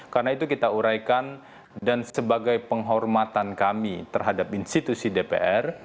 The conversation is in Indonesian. karena itu kita uraikan dan sebagai penghormatan kami terhadap institusi dpr